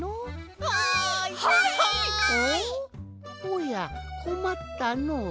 おやこまったのう。